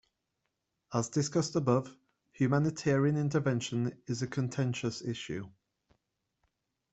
As discussed above, humanitarian intervention is a contentious issue.